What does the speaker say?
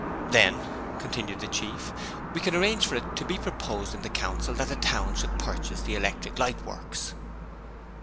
'Then,' continued the Chief, 'we can arrange for it to be proposed in the Council that the Town should purchase the Electric Light Works.'